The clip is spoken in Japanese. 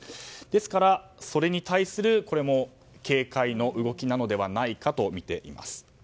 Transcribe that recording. ですからそれに対する警戒の動きではないかとみています。